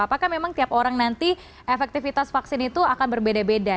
apakah memang tiap orang nanti efektivitas vaksin itu akan berbeda beda